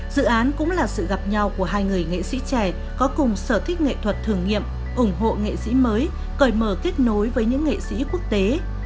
dự án cũng là sự gặp nhau của hai người nghệ sĩ trẻ có cùng sở thích nghệ thuật thử nghiệm ủng hộ nghệ sĩ mới cởi mở kết nối với những nghệ sĩ quốc tế